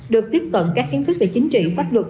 được tiếp cận các kiến thức về chính trị pháp luật